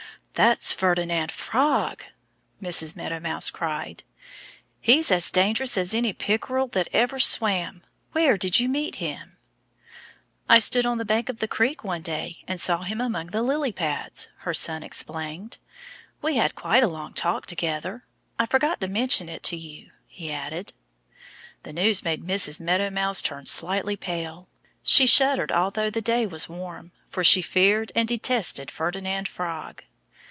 "That's Ferdinand Frog!" Mrs. Meadow Mouse cried. "He's as dangerous as any Pickerel that ever swam. Where did you meet him?" "I stood on the bank of the creek one day and saw him among the lily pads," her son explained. "We had quite a long talk together.... I forgot to mention it to you," he added. The news made Mrs. Meadow Mouse turn slightly pale. She shuddered although the day was warm; for she feared and detested Ferdinand Frog.